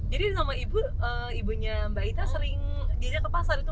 jadi sama ibunya mbak itta sering diajak ke pasar